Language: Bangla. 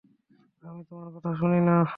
আমি তোমার কথা শুনি না।